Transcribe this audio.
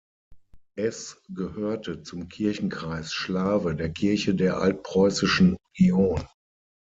Es gehörte zum Kirchenkreis Schlawe der Kirche der Altpreußischen Union.